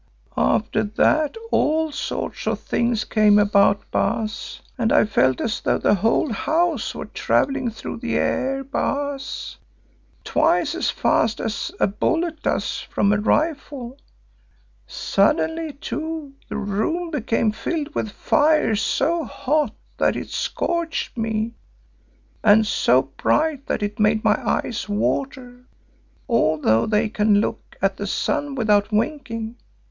"After that all sorts of things came about, Baas, and I felt as though the whole house were travelling through the air, Baas, twice as fast as a bullet does from a rifle. Suddenly, too, the room became filled with fire so hot that it scorched me, and so bright that it made my eyes water, although they can look at the sun without winking.